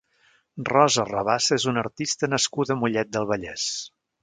Rosa Rabassa és una artista nascuda a Mollet del Vallès.